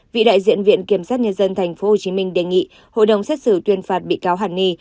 vị đại diện viện kiểm sát nhân dân tp hcm đề nghị hội đồng xét xử tuyên phạt bị cáo hàn ni